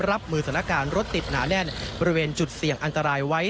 รับมือสถานการณ์รถติดหนาแน่นบริเวณจุดเสี่ยงอันตรายไว้